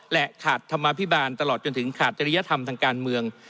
และขาดธรรมภิบาลตลอดจนถึงขาดจริยธรรมทางการเมือง